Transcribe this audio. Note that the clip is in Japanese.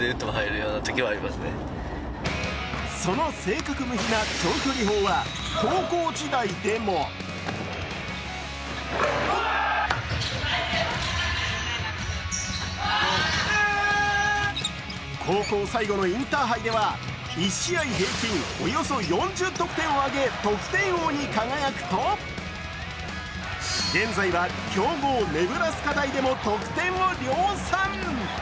その正確無比な長距離砲は高校時代でも高校最後のインターハイでは、１試合平均およそ４０得点を挙げ得点王に輝くと現在は強豪ネブラスカ大でも得点を量産。